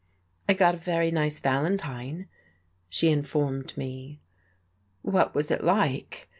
"I got a very nice valentine," she informed me. "What was it like?"